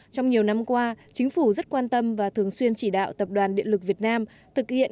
trong nhiều năm qua chính phủ rất quan tâm và thường xuyên chỉ đạo tập đoàn điện lực việt nam thực hiện các hệ thống điện